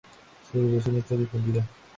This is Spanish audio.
Su devoción está difundida.